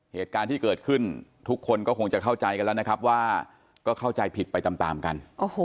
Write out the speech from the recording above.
เหตุการณ์ที่เกิดขึ้นทุกคนก็คงจะเข้าใจกันแล้วนะครับว่าก็เข้าใจผิดไปตามกัน